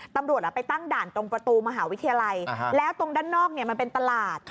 ตำรวจไปตั้งด่านตรงประตูมหาวิทยาลัยแล้วตรงด้านนอกมันเป็นตลาด